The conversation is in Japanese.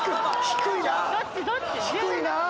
低いな！